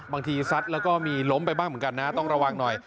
ซัดแล้วก็มีล้มไปบ้างเหมือนกันนะต้องระวังหน่อย